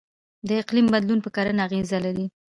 د اقلیم بدلون په کرنه اغیز لري.